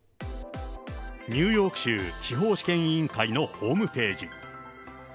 ニューヨーク州司法試験委員会のホームページ。